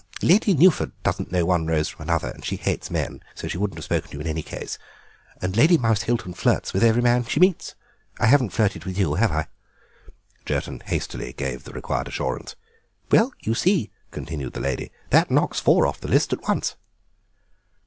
Lady Knewford doesn't know one rose from another and she hates men, so she wouldn't have spoken to you in any case; and Lady Mousehilton flirts with every man she meets—I haven't flirted with you, have I?" Jerton hastily gave the required assurance. "Well, you see," continued the lady, "that knocks four off the list at once."